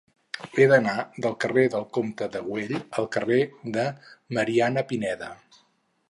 He d'anar del carrer del Comte de Güell al carrer de Mariana Pineda.